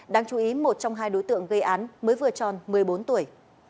đáng chú ý một trong hai đối tượng gây án mới vừa tròn một mươi bốn tuổi